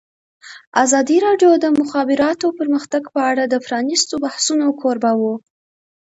ازادي راډیو د د مخابراتو پرمختګ په اړه د پرانیستو بحثونو کوربه وه.